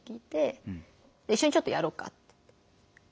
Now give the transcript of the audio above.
「一緒にちょっとやろうか」って。